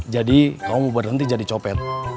jadi kamu mau berhenti jadi copet